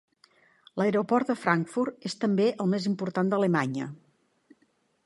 L'aeroport de Frankfurt és també el més important d'Alemanya.